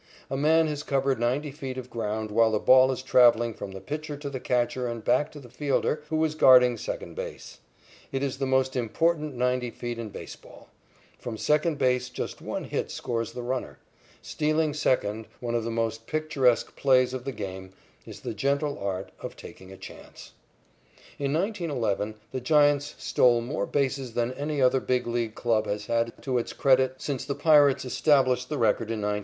A man has covered ninety feet of ground while the ball is travelling from the pitcher to the catcher and back to the fielder who is guarding second base. It is the most important ninety feet in baseball. From second base just one hit scores the runner. Stealing second, one of the most picturesque plays of the game, is the gentle art of taking a chance. In 1911, the Giants stole more bases than any other Big League club has had to its credit since the Pirates established the record in 1903.